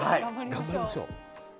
頑張りましょう！